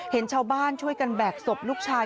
เห็นชาวบ้านช่วยกันแบกศพลูกชาย